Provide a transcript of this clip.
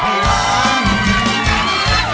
ถูก